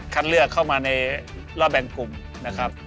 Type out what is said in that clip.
เลือกเข้ามาในรอบแบ่งกลุ่มนะครับ